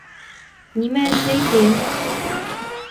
Нимә эшләй, тием!